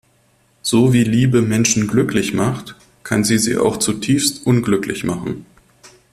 So wie Liebe Menschen glücklich macht, kann sie sie auch zutiefst unglücklich machen.